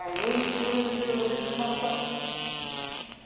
９０度できてますか？